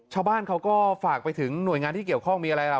ชาวบ้านเขาก็ฝากไปถึงหน่วยงานที่เกี่ยวข้องมีอะไรล่ะ